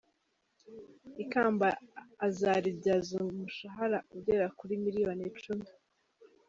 Ikamba azaribyaza umushahara ugera kuri miliyoni icumi.